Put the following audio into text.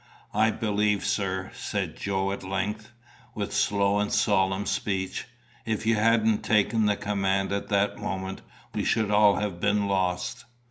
"I believe, sir," said Joe at length, with slow and solemn speech, "if you hadn't taken the command at that moment we should all have been lost."